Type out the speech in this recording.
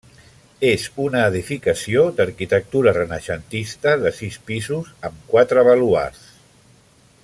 És una edificació d'arquitectura renaixentista de sis pisos amb quatre baluards.